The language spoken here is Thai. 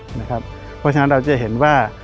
เพราะฉะนั้นเราจะเห็นว่า